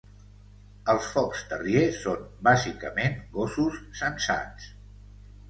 Els Fox terrier són, bàsicament, gossos sensats.